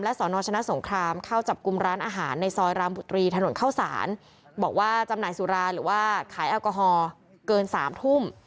สอนอชนะสงครามเข้าจับกลุ่มร้านอาหารในซอยรามบุรีถนนเข้าสารบอกว่าจำหน่ายสุราหรือว่าขายแอลกอฮอล์เกิน๓ทุ่ม